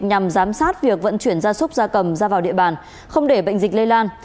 nhằm giám sát việc vận chuyển gia súc gia cầm ra vào địa bàn không để bệnh dịch lây lan